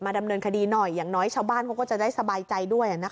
ดำเนินคดีหน่อยอย่างน้อยชาวบ้านเขาก็จะได้สบายใจด้วย